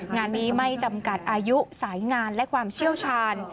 งานนี้ไม่จำกัดอายุสายงานและความเชี่ยวชาญ